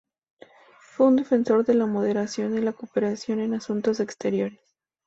Fue un defensor de la moderación y la cooperación en asuntos exteriores.